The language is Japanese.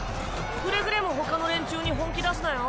くれぐれもほかの連中に本気出すなよ。